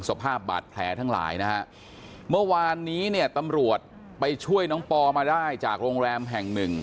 สภาพบาดแผลทั้งหลายนะฮะเมื่อวานนี้เนี่ยตำรวจไปช่วยน้องปอมาได้จากโรงแรมแห่งหนึ่ง